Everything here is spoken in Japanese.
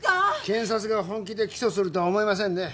検察が本気で起訴するとは思えませんね。